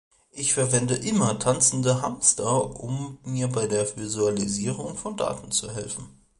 Ich verwende immer Tanzende Hamster, um mir bei der Visualisierung von Daten zu helfen.